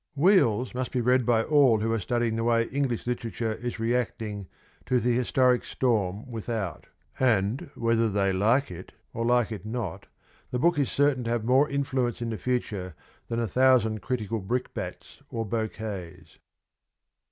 ' Wheels ' must be read by all who are studying the way English literature is ' reacting ' to the historic storm without — and whether they like it or like it not, the book is certain to have more influence in the future than a thousand critical brick bats or bouquets.